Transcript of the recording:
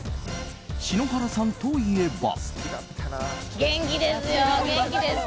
篠原さんといえば。